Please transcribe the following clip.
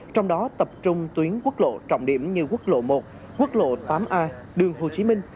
trong đó tập trung tuyến quốc lộ trọng điểm như quốc lộ một quốc lộ tám a đường hồ chí minh